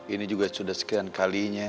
ini juga sudah sekian kalinya